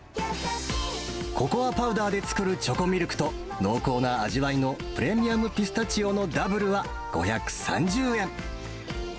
ココアパウダーで作るチョコミルクと、濃厚な味わいのプレミアムピスタチオのダブルは５３０円。